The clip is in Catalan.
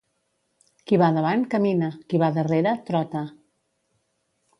Qui va davant, camina; qui va darrere, trota.